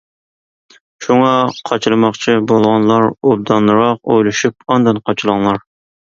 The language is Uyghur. شۇڭا قاچىلىماقچى بولغانلار ئوبدانراق ئويلىشىپ ئاندىن قاچىلاڭلار.